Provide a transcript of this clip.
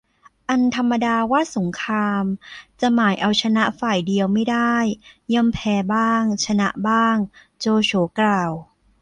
อันธรรมดาว่าสงคราม จะหมายเอาชนะฝ่ายเดียวไม่ได้ ย่อมแพ้บ้างชนะบ้าง โจโฉกล่าว